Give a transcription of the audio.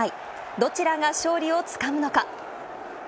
どちらが勝利をつかむのか。